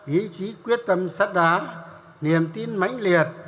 ý chí quyết tâm sắt đá niềm tin mãnh liệt